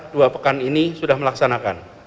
dua pekan ini sudah melaksanakan